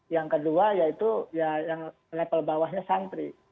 yang kedua yaitu ya yang level bawahnya santri